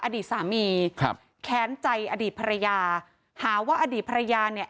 อดีตสามีครับแค้นใจอดีตภรรยาหาว่าอดีตภรรยาเนี่ย